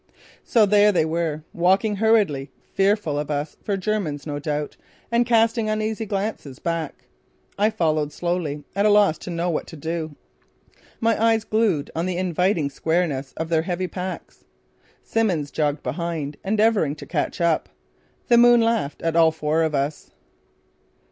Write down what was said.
So there were they, walking hurriedly, fearful of us for Germans no doubt and casting uneasy glances back. I followed slowly, at a loss to know what to do, my eyes glued on the inviting squareness of their heavy packs. Simmons jogged behind, endeavouring to catch up. The moon laughed at all four of us.